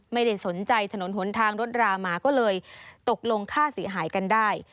ไม่ได้สนใจถนนหนทางรถรามาก็เลยตกลงค่าเสียหายกันได้